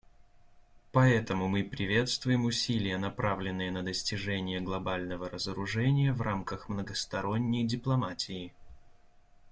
Поэтому мы приветствуем усилия, направленные на достижение глобального разоружения в рамках многосторонней дипломатии.